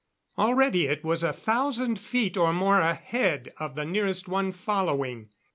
Already it was a thousand feet or more ahead of the nearest one following.